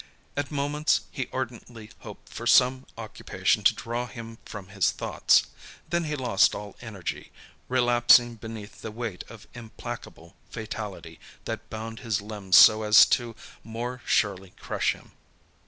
At moments, he ardently hoped for some occupation to draw him from his thoughts. Then he lost all energy, relapsing beneath the weight of implacable fatality that bound his limbs so as to more surely crush him.